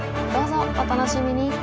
どうぞお楽しみに！